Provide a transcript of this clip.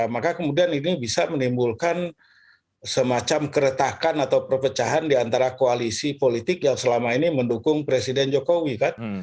maka kemudian ini bisa menimbulkan semacam keretakan atau perpecahan diantara koalisi politik yang selama ini mendukung presiden jokowi kan